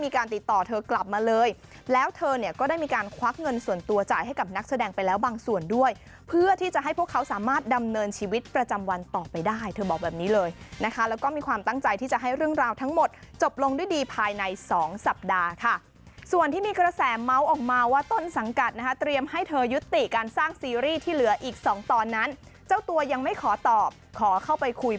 ขอบังส่วนด้วยเพื่อที่จะให้พวกเขาสามารถดำเนินชีวิตประจำวันต่อไปได้ที่บอกแบบนี้เลยนะคะแล้วก็มีความตั้งใจที่จะให้เรื่องราวทั้งหมดจบลงด้วยดีภายในสองสัปดาห์ค่ะส่วนที่มีกระแสเมาะออกมาว่าต้นสังกัดนะครับเตรียมให้เธอยุฤติการสร้างซีรีส์ที่เหลืออีกสองตอนนั้นเจ้าตัวยังไม่ขอตอบขอเข้